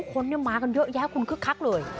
คนมากันเยอะแยะคุณคึกคักเลย